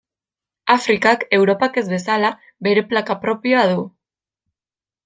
Afrikak, Europak ez bezala, bere plaka propioa du.